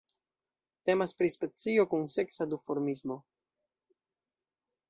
Temas pri specio kun seksa duformismo.